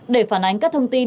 để phản ánh các thông tin